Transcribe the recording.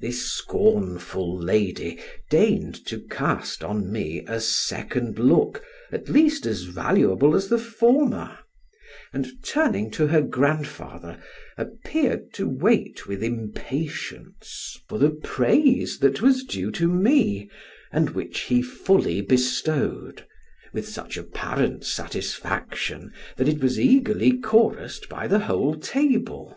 This scornful lady deigned to cast on me a second look at least as valuable as the former, and turning to her grandfather, appeared to wait with impatience for the praise that was due to me, and which he fully bestowed, with such apparent satisfaction, that it was eagerly chorused by the whole table.